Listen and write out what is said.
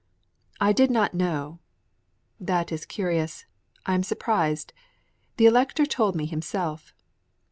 I did not know" "That is curious. I am surprised. The Elector told me himself."